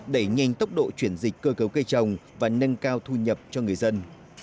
đẩy nhanh tốc độ chuyển dịch cơ cấu cây trồng và nâng cao thu nhập cho người dân